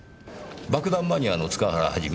爆弾マニアの塚原一が。